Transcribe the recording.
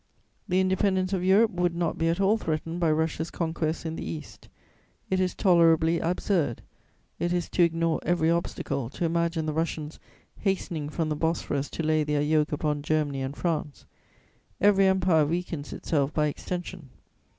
The independence of Europe would not be at all threatened by Russia's conquests in the East. It is tolerably absurd, it is to ignore every obstacle, to imagine the Russians hastening from the Bosphorus to lay their yoke upon Germany and France: every empire weakens itself by extension.